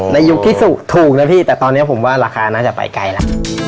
ในยุคที่ถูกนะพี่แต่ตอนนี้ผมว่าราคาน่าจะไปไกลแล้ว